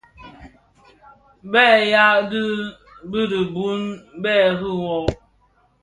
Bèè yaà dig bì di bum bê rì wôô.